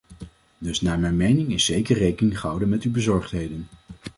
Dus naar mijn mening is zeker rekening gehouden met uw bezorgdheden.